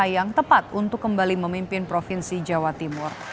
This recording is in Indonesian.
yang tepat untuk kembali memimpin provinsi jawa timur